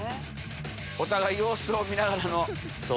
お互い様子を見ながら。